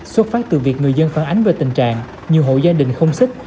xuất phát từ việc người dân phản ánh về tình trạng nhiều hộ gia đình không xích